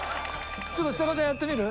ちょっとちさ子ちゃんやってみる？